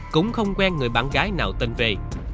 cũng không quen người bạn gái nào tên về